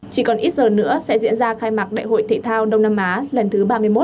chỉ còn ít giờ nữa sẽ diễn ra khai mạc đại hội thể thao đông nam á lần thứ ba mươi một